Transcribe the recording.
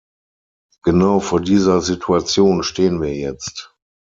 Genau vor dieser Situation stehen wir jetzt.